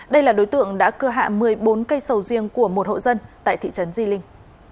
đây là đối tượng đã cưa hạ một mươi bốn cây sầu riêng của một hộ dân tại thị trấn di linh